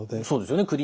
そうですよね